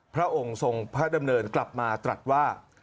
พระองค์ทรงพระดำเนินกลับมาตรัสว่า